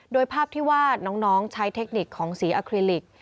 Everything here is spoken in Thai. โดยภาพที่ว่าน้องใช้เทคนิคของสีอาคลิลิก